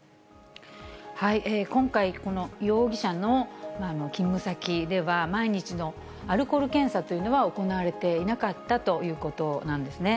今回、この容疑者の勤務先では、毎日のアルコール検査というのは行われていなかったということなんですね。